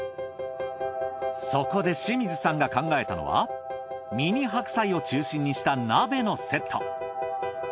そこで清水さんが考えたのはミニ白菜を中心にした鍋のセット。